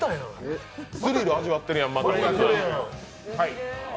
スリルを味わってるやん、また。